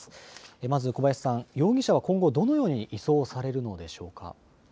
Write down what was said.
まず小林さん、容疑者は今後どのように移送されるのでしょうか。